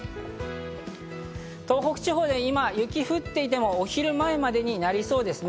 東北地方、今、雪が降っていても、お昼前までになりそうですね。